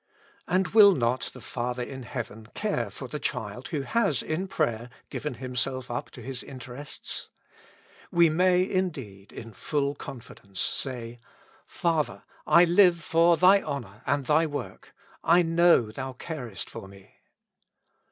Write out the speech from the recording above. And will not the Father in heaven care for the child who has in prayer given himself up to His interests? We may, indeed, in full confidence say, '' Father, I live for Thy honor and Thy work ; I know Thou carest forme."